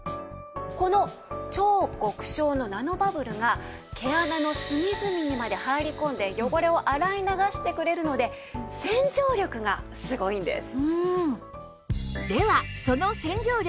この超極小のナノバブルが毛穴の隅々にまで入り込んで汚れを洗い流してくれるので洗浄力がすごいんです。